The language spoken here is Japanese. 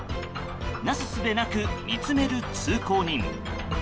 なすすべなく見つめる通行人。